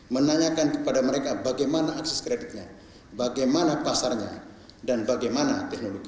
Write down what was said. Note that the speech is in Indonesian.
menanyakan kepada mereka bagaimana akses kreditnya bagaimana pasarnya dan bagaimana teknologi